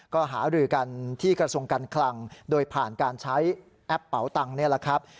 ก็หารือกันที่กระทรวงการคลังโดยผ่านการใช้แอปเป๋าตังค์นี่แหละครับ